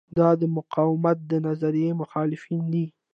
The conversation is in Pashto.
دا د مقاومت د نظریې مخالفین دي.